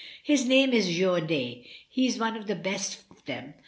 His name is Jourde, he is one of the best of them.